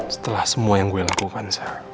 setelah semua yang gue lakukan